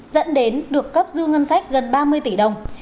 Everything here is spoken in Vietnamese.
dẫn đến được cấp dư ngân sách gần ba mươi tỷ đồng